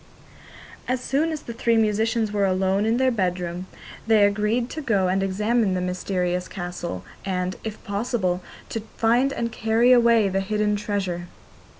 As soon as the three musicians were alone in their bedroom they agreed to go and examine the mysterious castle, and, if possible, to find and carry away the hidden treasure.